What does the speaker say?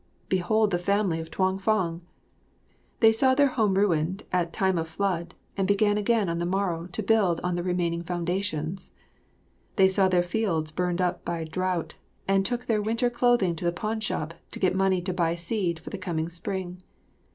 Behold the family of Tuang fang: they saw their home ruined at time of flood and began again on the morrow to build on the remaining foundations. They saw their fields burned up by drouth, and took their winter clothing to the pawn shop to get money to buy seed for the coming spring.